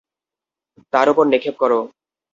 তার উপর নিক্ষেপ কর।